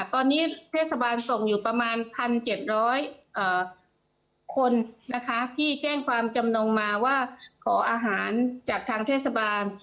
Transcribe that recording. ตอนนี้เทศบาลส่งอยู่ประมาณ๑๗๐๐คนนะคะที่แจ้งความจำนงมาว่าขออาหารจากทางเทศบาล